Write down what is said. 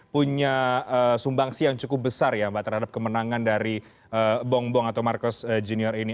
punya sumbangsi yang cukup besar ya mbak terhadap kemenangan dari bongbong atau marcos junior ini